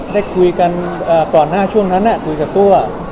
ได้คุยกันก่อนหน้าช่วงนั้นคุยกับตัว